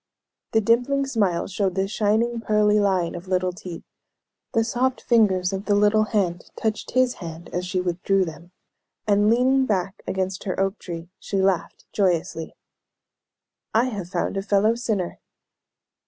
The dimpling smile showed the shining pearly line of little teeth; the soft fingers of the little hand touched his hand as she withdrew them; and, leaning back against her oak tree, she laughed joyously: "I have found a fellow sinner."